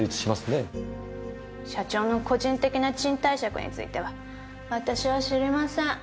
社長の個人的な賃貸借については私は知りません。